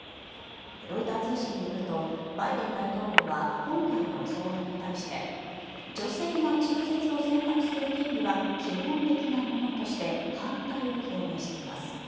ロイター通信によるとバイデン大統領は今回の草案に対して女性が中絶を選択する権利は基本的なものとして反対を表明しています。